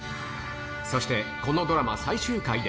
そして、このドラマ最終回で。